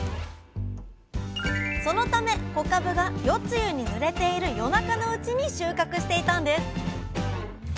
そのため小かぶが夜露にぬれている夜中のうちに収穫していたんです。